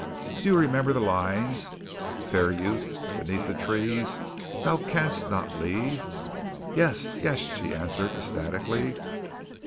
"Do you remember the lines 'Fair youth, beneath the trees, thou canst not leave'?" "Yes, yes," she answered ecstatically.